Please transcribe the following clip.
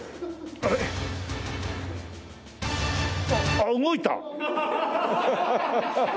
あっ動いた！